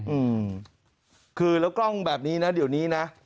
อืมคือแล้วกล้องแบบนี้นะเดี๋ยวนี้นะ